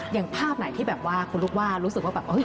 อย่างภาพไหนที่แบบว่าคุณลูกว่ารู้สึกว่าแบบ